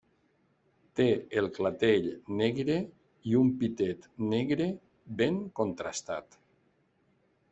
Té el clatell negre i un pitet negre ben contrastat.